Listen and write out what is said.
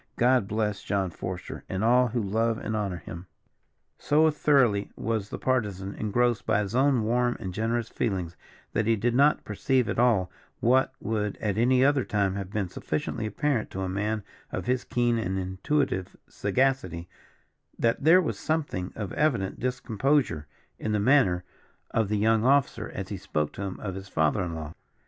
God bless John Forester, and all who love and honour him." So thoroughly was the Partisan engrossed by his own warm and generous feelings, that he did not perceive at all, what would at any other time have been sufficiently apparent to a man of his keen and intuitive sagacity, that there was something of evident discomposure in the manner of the young officer as he spoke to him of his father in law.